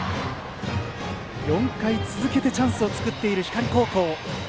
４回続けてチャンスを作っている光高校。